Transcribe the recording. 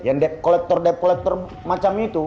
yang depkolektor depkolektor macam itu